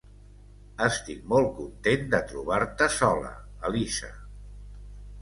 Estic molt content de trobar-te sola, Elisa!